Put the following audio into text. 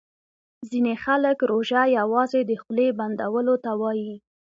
ځیني خلګ روژه یوازي د خولې بندولو ته وايي